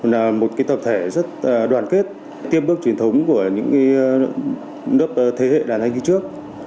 là một tập thể rất đoàn kết tiêm bước truyền thống của những đất thế hệ đàn anh như trước